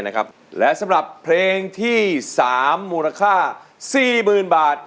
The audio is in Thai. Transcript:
นะครับและสำหรับเพลงที่๓มูลค่า๔๐๐๐บาท